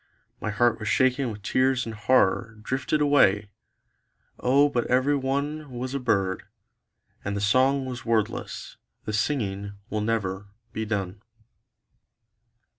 My heart was shaken with tears and horror Drifted away ... O but every one Was a bird; and the song was wordless; the singing will never be done.